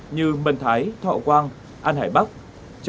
như bần thái thọ quang an hải bắc